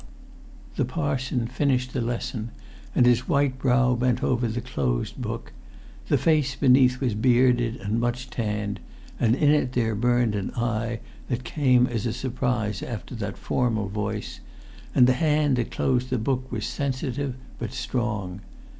The parson finished the lesson, and his white brow bent over the closed book; the face beneath was bearded and much tanned, and in it there burnt an eye that came as a surprise after that formal voice; and the hand that closed the book was sensitive but strong.